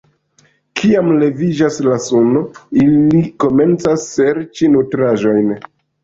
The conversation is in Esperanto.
Kiam leviĝas la suno, ili komencas serĉi nutraĵojn.